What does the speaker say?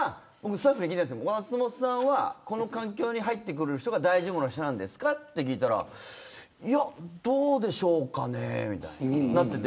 松本さんはこの環境に入ってくるのが大丈夫な人なんですかって聞いたらいや、どうでしょうかねみたいになってて。